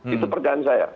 itu perjalanan saya